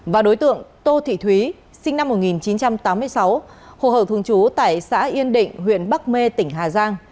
và đối tượng tô thị thúy sinh năm một nghìn chín trăm tám mươi sáu hộ khẩu thường chú tại xã yên định huyện bắc mê tỉnh hà giang